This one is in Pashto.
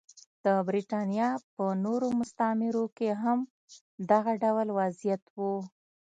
د برېټانیا په نورو مستعمرو کې هم دغه ډول وضعیت و.